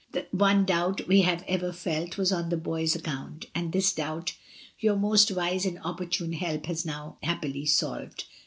The one doubt we have ever felt was on the boys' account, and this doubt your most wise and opportune help has now happily solved.